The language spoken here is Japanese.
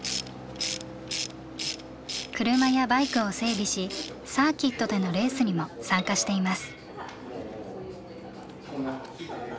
車やバイクを整備しサーキットでのレースにも参加しています。